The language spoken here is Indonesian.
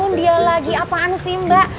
dia lagi apaan sih mbak